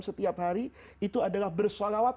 setiap hari itu adalah bersalawat